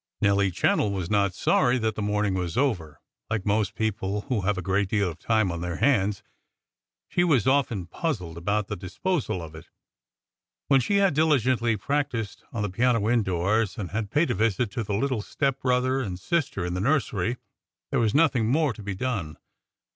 Nelly Channell was not sorry that the morning was over. Like most people who have a great deal of time on their hands, she was often puzzled about the disposal of it. When she had diligently practised on the piano indoors, and had paid a visit to the little step brother and sister in the nursery, there was nothing more to be done.